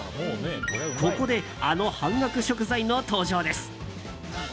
ここであの半額食材の登場です。